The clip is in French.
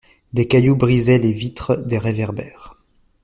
Des cailloux brisaient les vitres des réverbères.